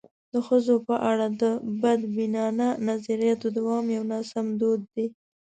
د ښځو په اړه د بدبینانه نظریاتو دوام یو ناسم دود دی.